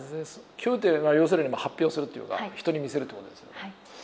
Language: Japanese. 共有って要するに発表するっていうか人に見せるということですよね。